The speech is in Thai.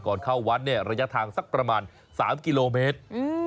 เข้าวัดเนี่ยระยะทางสักประมาณ๓กิโลเมตร